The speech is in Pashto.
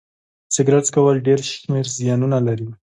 سيګرټ څکول ډيری شمېر زيانونه لري